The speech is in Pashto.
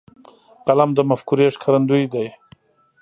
قلم د مفکورې ښکارندوی دی.